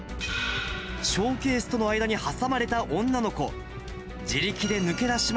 ショーケースとの間に挟まれた女の子。